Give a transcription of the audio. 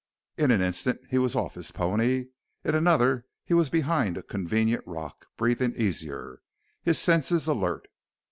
In an instant he was off his pony; in another he was behind a convenient rock, breathing easier, his senses alert.